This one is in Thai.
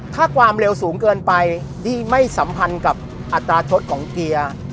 ถ้าความเร็วสูงเกินไปที่ไม่สัมพันธ์กับอัตราชดของเกียร์